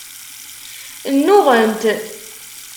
Nnuɣent.